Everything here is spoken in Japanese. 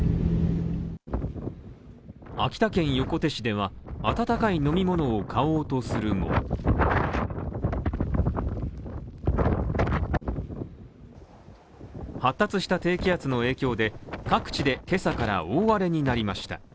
秋田県横手市では、温かい飲み物を買おうとするも発達した低気圧の影響で、各地で今朝から大荒れになりました。